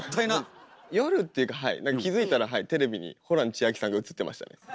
夜っていうかはい何か気付いたらはいテレビにホラン千秋さんが映ってましたね。